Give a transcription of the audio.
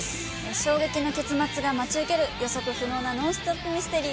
衝撃な結末が待ち受ける、予測不能なノンストップミステリー。